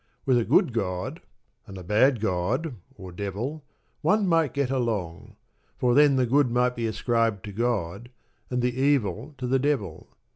With a good God, and a bad God (or Devil), one might get along; for then the good might be ascribed to God, and the evil to the Devil.